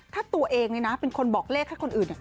ถ้าตัวเองดึหน่าเป็นคนบอกเลขท่าคนอื่น